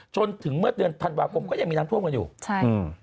จนถึงเมื่อเดือนธันวาคมก็ยังมีน้ำท่วมกันอยู่ใช่อืม